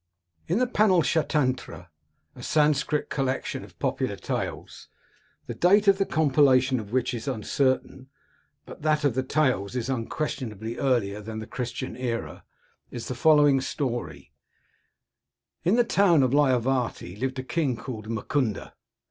In the Panlschatantra, a Sanscrit collection of popular tales, the date of the compilation of which is uncertain, but that of the tales is unquestionably earlier than the Christian era, is the following story: " In the town of Liavati, lived a king, called Mukunda.